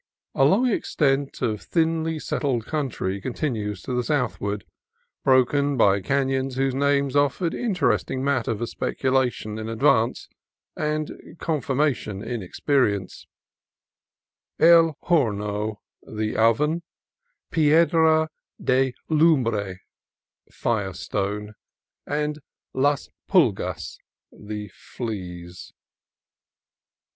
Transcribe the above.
A long extent of thinly settled country continues to the southward, broken by canons whose names offered interesting matter for speculation in advance and confirmation in experience :— El Horno (the oven), Piedra de Lumbre (firestone), and Las Pulgas (the fleas).